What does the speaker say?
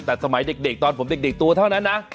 แต่สมัยเด็กตอนผมเด็กตัวเท่านั้นนะ